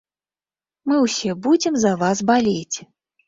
Мы ўсе будзем за вас балець.